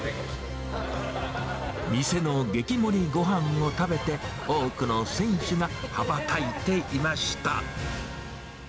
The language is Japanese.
店の激盛りごはんを食べて、多くの選手が羽ばたいていました。